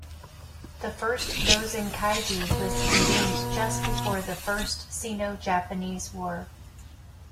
The first "Gozen Kaigi" was convened just before the First Sino-Japanese War.